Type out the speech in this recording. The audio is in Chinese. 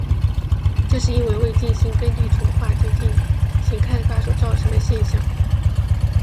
这是因为未进行耕地重划就进行开发所造成的现象。